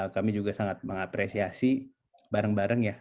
kami juga sangat mengapresiasi bareng bareng ya